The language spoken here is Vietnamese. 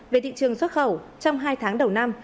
về thị trường xuất khẩu trong hai tháng đầu năm